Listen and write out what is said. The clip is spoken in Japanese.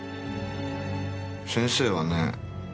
先生はね